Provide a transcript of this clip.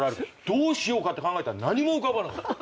どうしようかって考えたら何も浮かばなかった。